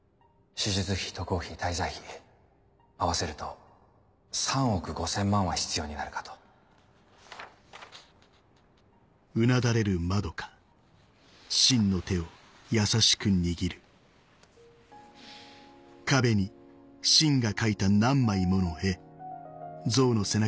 手術費渡航費滞在費合わせると３億５０００万は必要になるかと芯は？